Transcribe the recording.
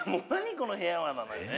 この部屋は」なのよね。